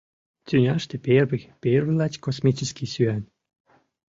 Тӱняште первый, первый лач космический сӱан.